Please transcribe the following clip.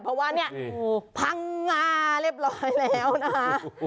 เพราะว่าเนี่ยพังงาเรียบร้อยแล้วนะคะ